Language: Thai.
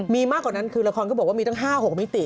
มีมากกว่านั้นคือละครก็บอกว่ามีตั้ง๕๖มิติ